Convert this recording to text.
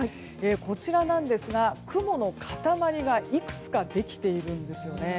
こちらですが、雲の塊がいくつかできているんですよね。